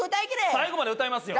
最後まで歌いますよ？